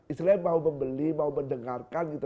istilahnya mau membeli mau mendengarkan gitu